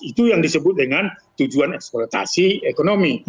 itu yang disebut dengan tujuan eksploitasi ekonomi